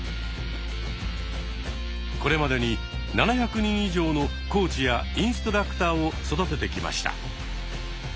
これまでに７００人以上のコーチやインストラクターを育ててきました。